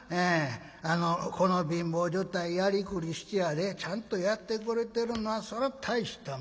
あのこの貧乏所帯やりくりしてやでちゃんとやってくれてるのはそら大したもんや。